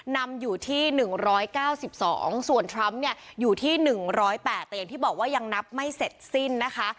นำอยู่ที่๑๙๒ส่วนทรัมป์เนี่ยอยู่ที่๑๐๘แต่อย่างที่บอกว่ายังนับไม่เสร็จสิ้นนะคะ